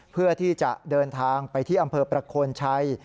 เพื่อที่จะเดินทางไปที่อำเภอประโคนชัย